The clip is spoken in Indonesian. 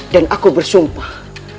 dan aku bersumpah